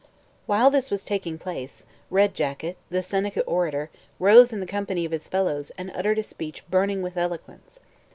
While this was taking place, Red Jacket, the Seneca orator, rose in the company of his fellows and uttered a speech burning with eloquence.